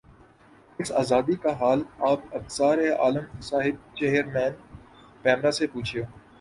اس آزادی کا حال آپ ابصار عالم صاحب چیئرمین پیمرا سے پوچھیے